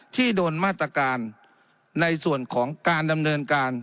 ที่โดนมาตรการในส่วนของการดำเนินการ